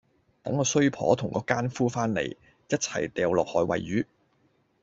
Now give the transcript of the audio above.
等個衰婆同個姦夫返嚟，一齊掉落海餵魚